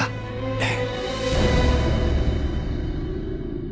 ええ。